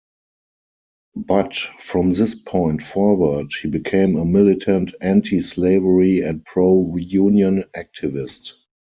But, from this point forward, he became a militant anti-slavery and pro-union activist.